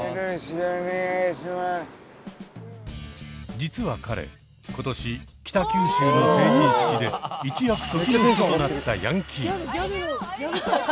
実は彼今年北九州の成人式で一躍時の人となったヤンキー。